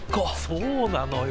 そうなのよ。